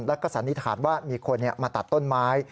แล้วก็สันนิษฐานว่ามีคนมาตัดต้นไม้